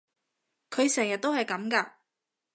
佢成日都係噉㗎？